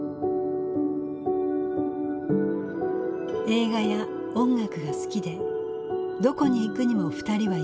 映画や音楽が好きでどこに行くにも二人は一緒。